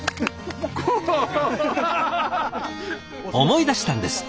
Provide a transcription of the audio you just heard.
思い出したんです。